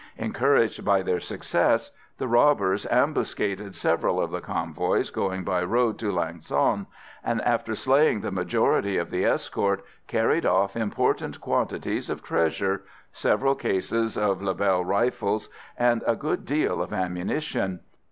Encouraged by their success, the robbers ambuscaded several of the convoys going by road to Lang son, and, after slaying the majority of the escort, carried off important quantities of treasure, several cases of Lebel rifles and a good deal of ammunition.